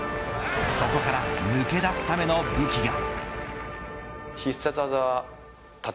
そこから抜け出すための武器が。